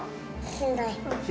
しんどい？